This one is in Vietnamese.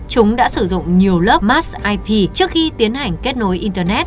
chúng đã sử dụng nhiều lớp mars ip trước khi tiến hành kết nối internet